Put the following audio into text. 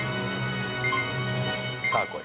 さあこい。